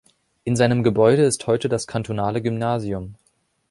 In seinem Gebäude ist heute das kantonale Gymnasium.